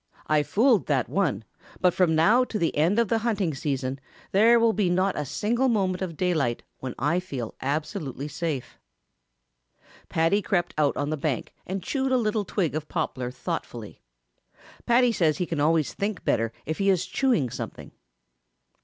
I fooled that one, but from now to the end of the hunting season there will not be a single moment of daylight when I will feel absolutely safe." Paddy crept out on the bank and chewed a little twig of poplar thoughtfully. Paddy says he can always think better if he is chewing something.